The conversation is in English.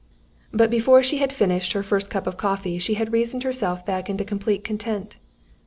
But before she had finished her first cup of coffee, she had reasoned herself back into complete content.